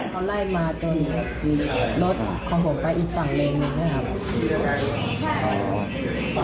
เขาไล่มาจนรถของผมไปอีกฝั่งเลนหนึ่งนะครับ